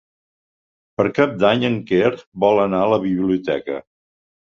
Per Cap d'Any en Quer vol anar a la biblioteca.